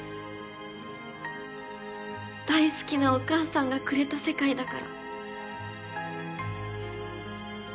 大好きなお母さんがくれた世界だから。